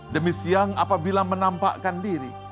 demi siang apabila menampakkan diri